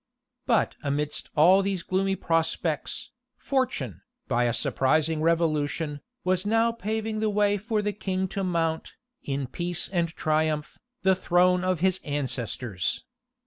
But amidst all these gloomy prospects, fortune, by a surprising revolution, was now paving the way for the king to mount, in peace and triumph, the throne of his ancestors.